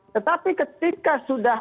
tetapi ketika sudah